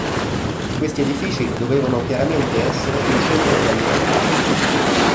Questi edifici dovevano chiaramente essere il centro della vita urbana.